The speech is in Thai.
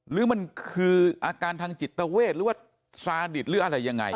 หรือมันคืออาการทางจิตเวทหรือว่าซาดิตหรืออะไรยังไง